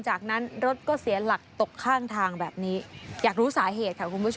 จากนั้นรถก็เสียหลักตกข้างทางแบบนี้อยากรู้สาเหตุค่ะคุณผู้ชม